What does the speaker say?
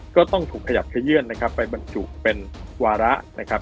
ก็ต้องถูกขยับขยื่นนะครับไปบรรจุเป็นวาระนะครับ